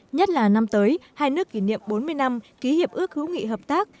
nhất là năm tới hai nước kỷ niệm bốn mươi năm ký hiệp ước hữu nghị hợp tác